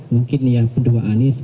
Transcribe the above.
mungkin ya kedua anies